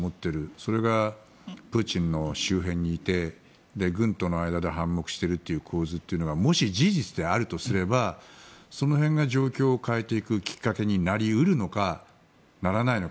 それがプーチンの周辺にいて軍との間で反目している構図というのがもし、事実であるとすればその辺が状況を変えていくきっかけになり得るのかならないのか。